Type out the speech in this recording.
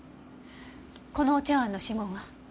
このお茶碗の指紋は？